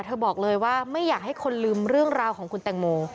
บอกเลยว่าไม่อยากให้คนลืมเรื่องราวของคุณแตงโม